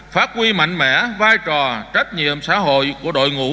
phát huy mạnh mẽ vai trò trách nhiệm xã hội của đội ngũ